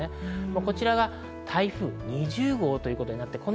こちらが台風２０号です。